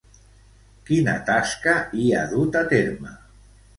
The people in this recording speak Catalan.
Quina tasca hi ha dut a terme?